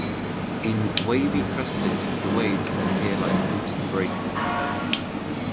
In "wavy crested" the waves appear like pointed breakers.